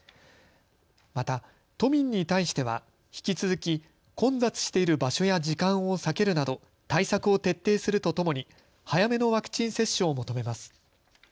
また都民に対しては引き続き混雑している場所や時間を避けるなど対策を徹底するとともに早めのワクチン接種を求めます。